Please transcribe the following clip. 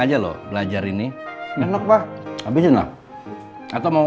belum akhirnya enak banget tau nggak